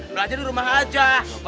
belajar di rumah aja